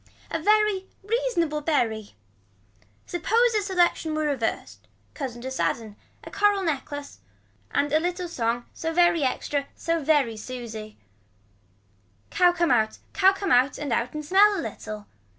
A very reasonable berry. Suppose a selection were reverse. Cousin to sadden. A coral neck and a little song so very extra so very Susie. Cow come out cow come out and out and smell a little.